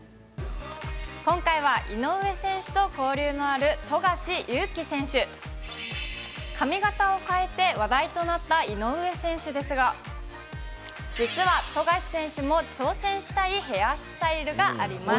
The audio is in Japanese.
今回は井上選手と交流のある富樫勇樹選手。髪形を変えて話題となった井上選手ですが、実は富樫選手も、挑戦したいヘアスタイルがあります。